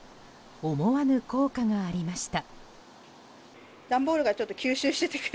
思わぬ効果がありました。